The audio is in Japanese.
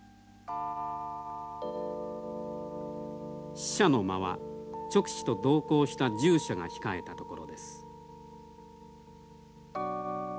使者の間は勅使と同行した従者が控えた所です。